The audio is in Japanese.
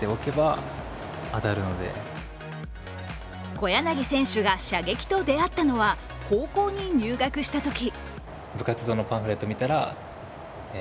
小柳選手が射撃と出会ったのは高校に入学したとき。